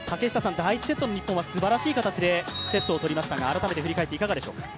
第１セットの日本はすばらしい形でセットを振り返って、改めて振り返っていかがでしょうか？